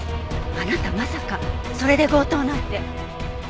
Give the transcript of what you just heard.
あなたまさかそれで強盗なんて。